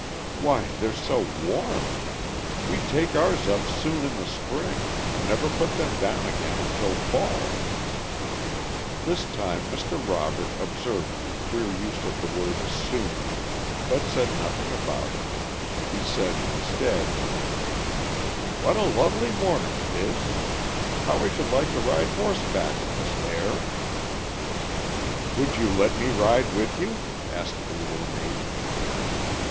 "Why, they're so warm. We take ours up soon in the spring, and never put them down again until fall." This time Mr. Robert observed the queer use of the word "soon," but said nothing about it. He said instead: "What a lovely morning it is! How I should like to ride horseback in this air!" "Would you let me ride with you?" asked the little maiden.